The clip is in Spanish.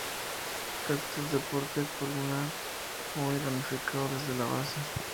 Cactus de porte columnar muy ramificado desde la base.